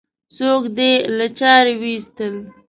څوک دې له چارې وایستل؟